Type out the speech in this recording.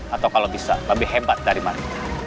atau kalau bisa lebih hebat dari mana